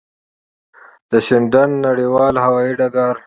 د شینډنډ نړېوال هوایی ډګر.